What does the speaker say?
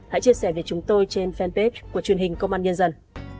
hãy chia sẻ với chúng tôi trên fanpage của truyền hình công an nhân dân